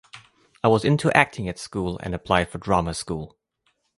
I was into acting at school and applied for drama school.